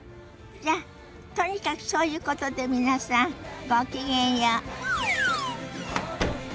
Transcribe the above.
じゃとにかくそういうことで皆さんごきげんよう。